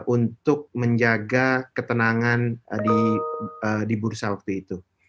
untuk menjaga ketenangan di bursa waktu itu